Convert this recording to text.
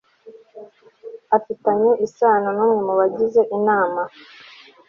afitanye isano n umwe mu bagize Inama